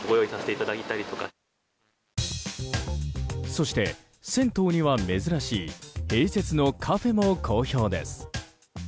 そして、銭湯には珍しい併設のカフェも好評です。